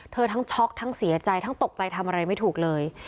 ทั้งช็อกทั้งเสียใจทั้งตกใจทำอะไรไม่ถูกเลย